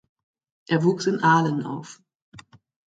Er wuchs in Aalen auf.